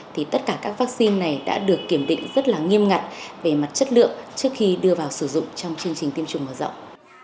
thì tất cả các vaccine này đã được kiểm định rất là nghiêm ngặt về mặt chất lượng trước khi đưa vào sử dụng trong chương trình tiêm chủng mở rộng